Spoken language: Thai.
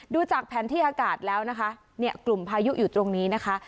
ดูจากแผนที่อากาศแล้วนะคะเนี่ยกลุ่มพายุอยู่ตรงนี้นะคะ